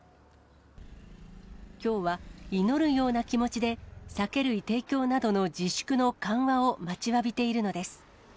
きょうは祈るような気持ちで、酒類提供などの自粛の緩和を待ちわびているのです。